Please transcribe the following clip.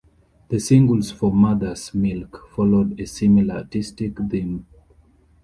The singles for "Mother's Milk" followed a similar artistic theme.